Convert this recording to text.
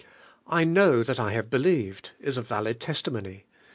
*I know that I have believed,' is a valid testimony.